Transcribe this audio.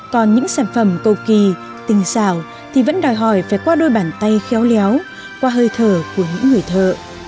còn những sản phẩm cầu kỳ tinh xảo thì vẫn đòi hỏi phải qua đôi bàn tay khéo léo qua hơi thở của những người thợ